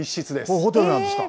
ここ、ホテルなんですか。